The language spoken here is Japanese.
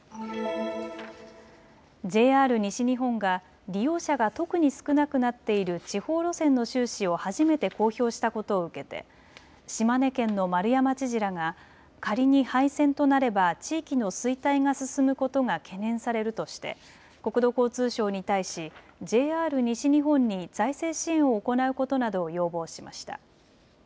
ＪＲ西日本が利用者が特に少なくなっている地方路線の収支を初めて公表したことを受けて島根県の丸山知事らが仮に廃線となれば地域の衰退が進むことが懸念されるとして国土交通省に対しＪＲ西日本に財政支援を行うことなどを要望しました。